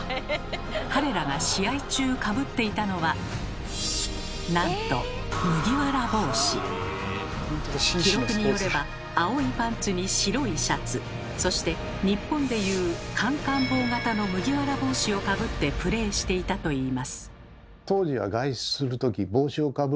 彼らが試合中かぶっていたのはなんと記録によれば青いパンツに白いシャツそして日本でいうカンカン帽型の麦わら帽子をかぶってプレーしていたといいます。